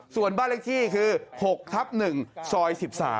ส่วนบ้านเลขที่คือ๖ทับ๑ซอย๑๓